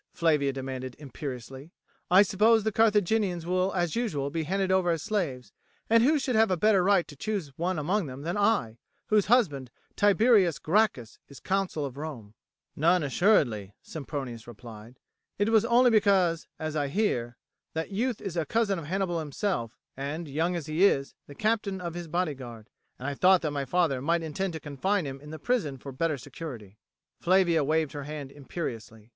Flavia demanded imperiously. "I suppose the Carthaginians will as usual be handed over as slaves; and who should have a better right to choose one among them than I, whose husband, Tiberius Gracchus, is Consul of Rome?" "None assuredly," Sempronius replied. "It was only because, as I hear, that youth is a cousin of Hannibal himself, and, young as he is, the captain of his bodyguard, and I thought that my father might intend to confine him in the prison for better security." Flavia waved her hand imperiously.